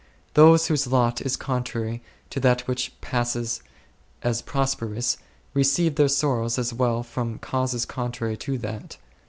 Those whose lot is contrary to that which passes as prosperous receive their sorrows as well from causes contrary to that.